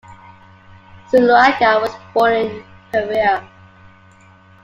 Zuluaga was born in Pereira.